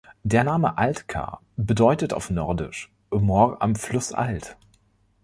Der Name Altcar bedeutet auf Nordisch „Moor am Fluss Alt“.